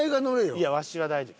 いやわしは大丈夫。